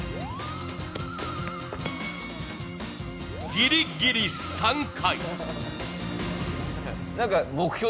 ギリギリ３回。